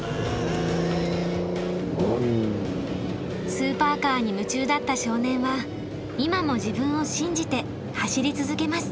スーパーカーに夢中だった少年は今も自分を信じて走り続けます。